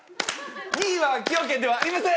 ２位は崎陽軒ではありませーん！